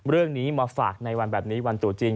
เรื่องนี้มาฝากในวันแบบนี้วันตัวจริง